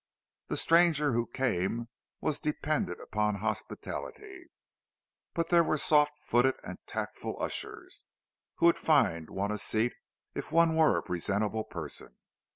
The stranger who came was dependent upon hospitality; but there were soft footed and tactful ushers, who would find one a seat, if one were a presentable person.